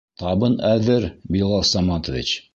Табын әҙер, Билал Саматович.